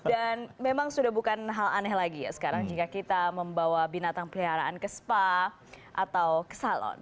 dan memang sudah bukan hal aneh lagi ya sekarang jika kita membawa binatang peliharaan ke spa atau ke salon